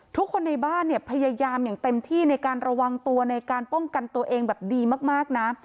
ทุกคนในบ้านเนี่ยพยายามอย่างเต็มที่ในการระวังตัวในการป้องกันตัวเองแบบดีมากนะ